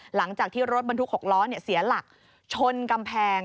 หลังจากที่รถบรรทุก๖ล้อเสียหลักชนกำแพง